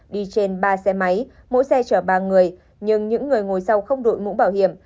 đi trên ba xe máy mỗi xe chở ba người nhưng những người ngồi sau không đội mũ bảo hiểm